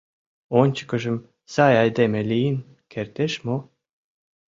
Ончыкыжым сай айдеме лийын кертеш мо?»...